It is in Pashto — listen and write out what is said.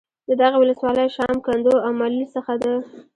د دغې ولسوالۍ شام ، کندو او ملیل څخه د